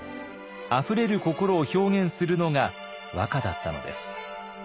あふれる心を表現するのが和歌だったのです。